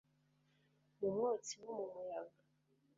Mu mwotsi no mu muyaga